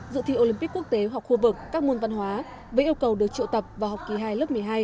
dự thi olympic quốc tế hoặc khu vực các môn văn hóa với yêu cầu được triệu tập vào học kỳ hai lớp một mươi hai